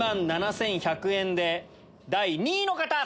１万７１００円で第２位の方！